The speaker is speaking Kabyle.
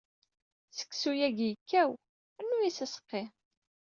Seksu-agi ikkaw, rnu-as aseqqi.